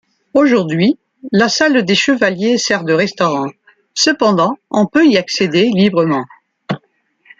Aujourd'hui, la salle des chevaliers sert de restaurant, cependant on peut y accéder librement.